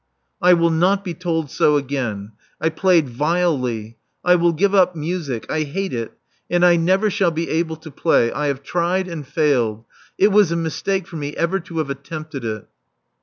"I will not be told so again. I played vilely. I will give up music. I hate it : and I never shall be able to play. I have tried and failed. It was a mis take for me ever to have attempted it."